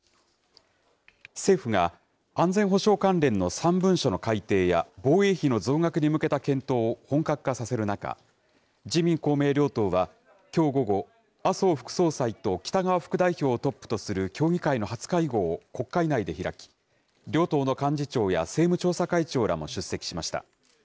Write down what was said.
政府が、安全保障関連の３文書の改定や、防衛費の増額に向けた検討を本格化させる中、自民、公明両党は、きょう午後、麻生副総裁と北側副代表をトップとする協議会の初会合を国会内で開き、両党の幹事長や政務調査会長らも出席しました。